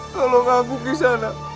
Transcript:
tolong aku ke sana